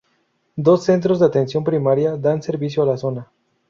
Dos centros de atención primaria dan servicio a la zona.